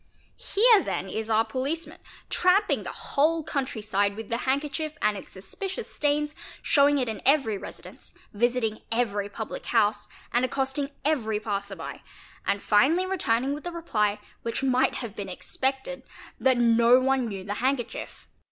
Here then is our policeman, tramping the whole country side with the handkerchief and its suspicious stains, showing it in every residence, visiting every public i. house, and accosting every passerby, and finally returning with the reply, which might have been expected, that no one knew the handkerchief.